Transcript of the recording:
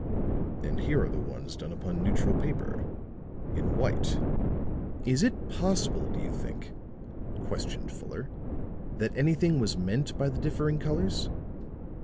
And here are the ones done upon neutral paper, in white." "Is it possible, do you think," questioned Fuller, "that anything was meant by the differing colors?"